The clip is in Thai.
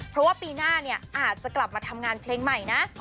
เพราะว่าปีหน้าเนี่ยอาจจะกลับมาทำงานเพลงใหม่นะ